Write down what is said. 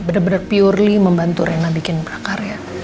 bener bener purely membantu rina bikin prakarya